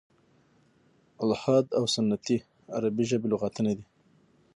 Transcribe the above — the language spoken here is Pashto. "الحاد او سنتي" عربي ژبي لغتونه دي.